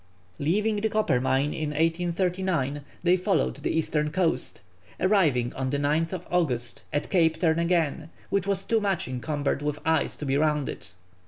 Leaving the Coppermine in 1838, they followed the eastern coast, arriving on the 9th August at Cape Turn again, which was too much encumbered with ice to be rounded.